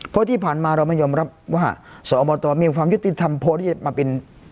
เพราะที่ผ่านมาเราไม่ยอมรับว่าสอบตมีความยุติธรรมพอที่จะมาเป็น